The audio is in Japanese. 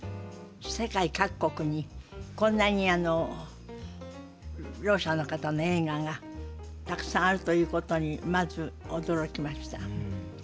世界各国にこんなにろう者の方の映画がたくさんあるということにまず驚きました。